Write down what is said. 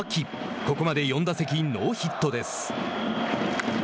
ここまで４打席ノーヒットです。